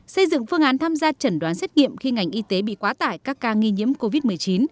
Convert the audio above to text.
xây dựng phương án tham gia chẩn đoán xét nghiệm khi ngành y tế bị quá tải các ca nghi nhiễm covid một mươi chín